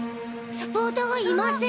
サポーターがいません。